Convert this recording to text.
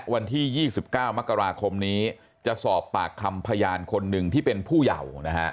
วันที่๒๙มกราคมนี้จะสอบปากคำพยานคนหนึ่งที่เป็นผู้เยาว์นะฮะ